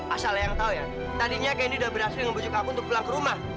asal eyang tahu ya tadinya candy sudah berhasil membocorkan aku untuk pulang ke rumah